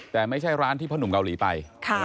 แต่ไม่ใช่ร้านที่พ่อหนุ่มเกาหลีไป